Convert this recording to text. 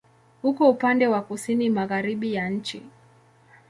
Uko upande wa kusini-magharibi ya nchi.